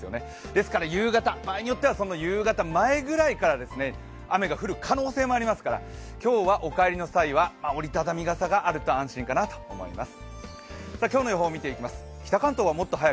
ですから夕方、場合によっては夕方前ぐらいから雨が降る可能性もありますから今日はお帰りの際は折り畳み傘があると安心かなと思います。